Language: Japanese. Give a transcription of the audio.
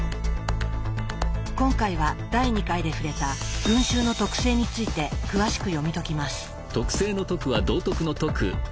今回は第２回で触れた「群衆の徳性」について詳しく読み解きます。